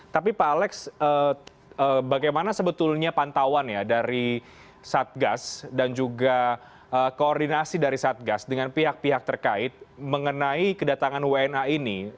tapi pak alex bagaimana sebetulnya pantauan dari saat gas dan juga koordinasi dari saat gas dengan pihak pihak terkait mengenai kedatangan wna ini